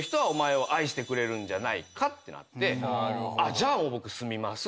じゃあ僕住みます。